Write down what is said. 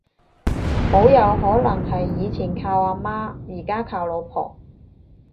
好有可能係以前靠阿媽而家靠老婆